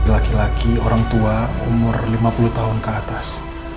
laki laki orang tua umur lima puluh tahun ke atas